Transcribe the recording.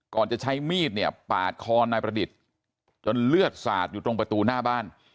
จะใช้มีดเนี่ยปาดคอนายประดิษฐ์จนเลือดสาดอยู่ตรงประตูหน้าบ้าน